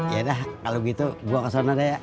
yaudah kalau gitu gue ke sana dah ya